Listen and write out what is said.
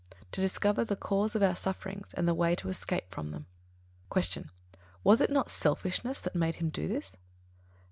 To discover the cause of our sufferings and the way to escape from them. 28. Q. _Was it not selfishness that made him do this?